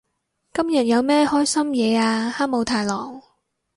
今日有咩開心嘢啊哈姆太郎？